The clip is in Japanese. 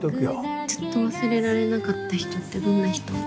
ずっと忘れられなかった人ってどんな人？